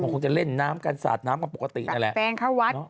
มันคงจะเล่นน้ำการสาดน้ำกันปกตินั่นแหละ